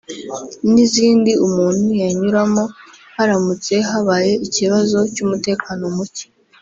n’izindi umuntu yanyuramo haramutse habaye ikibazo cy’umutekano muke